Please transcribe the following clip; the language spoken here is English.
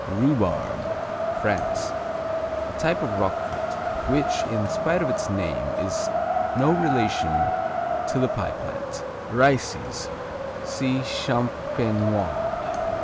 Rhubarbe France A type of Roquefort which, in spite of its name, is no relation to our pie plant. Riceys see Champenois.